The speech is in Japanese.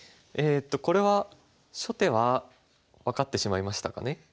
これは初手は分かってしまいましたかね。